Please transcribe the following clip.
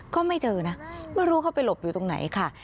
ก็ไม่เจอนะไม่รู้เขาไปหลบอยู่ตรงไหนค่ะ